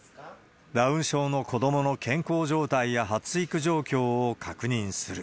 ダウン症の子どもの健康状態や発育状況を確認する。